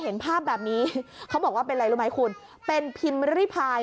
เห็นภาพแบบนี้เขาบอกว่าเป็นอะไรรู้ไหมคุณเป็นพิมพ์ริพาย